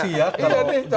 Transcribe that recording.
ini cakup reaksi ya